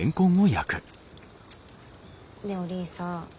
ねえおりんさん